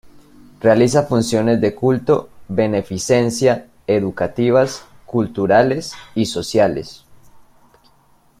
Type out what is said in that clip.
Realiza funciones de culto, beneficencia, educativas, culturales y sociales.